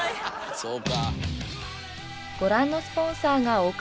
そうか。